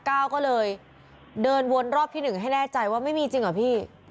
ก็เลยเดินวนรอบที่หนึ่งให้แน่ใจว่าไม่มีจริงเหรอพี่